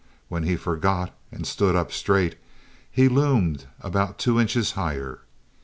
When he forgot, and stood up straight, he loomed about two inches higher.